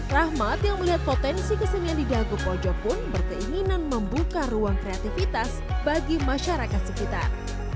rahmat yang melihat potensi kesenian di dago pojok pun berkeinginan membuka ruang kreativitas bagi masyarakat sekitar